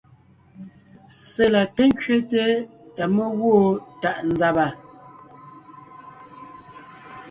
Ssé la ké ńkẅéte ta mé gwoon tàʼ nzàba.